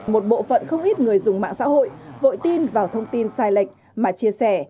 một bộ phận không ít người dùng mạng xã hội vội tin vào thông tin sai lệch mà chia sẻ